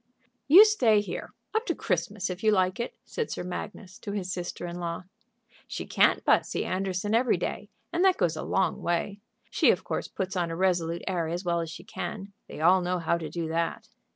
"You stay here, up to Christmas, if you like it," said Sir Magnus to his sister in law. "She can't but see Anderson every day, and that goes a long way. She, of course, puts on a resolute air as well as she can. They all know how to do that.